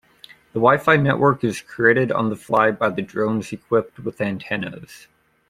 The Wi-Fi network is created on the fly by the drones equipped with antennas.